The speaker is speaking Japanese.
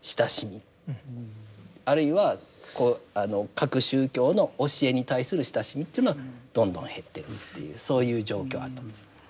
あるいはこう各宗教の教えに対する親しみというのはどんどん減ってるというそういう状況あると思います。